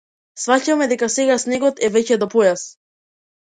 Сфаќаме дека сега снегот е веќе до појас.